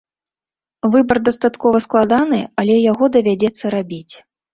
Выбар дастаткова складаны, але яго давядзецца рабіць.